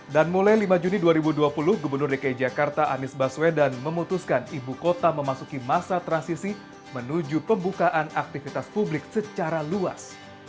dan mulai lima juni dua ribu dua puluh gubernur dki jakarta anies baswedan memutuskan ibu kota memasuki masa transisi menuju pembukaan aktivitas publik secara luas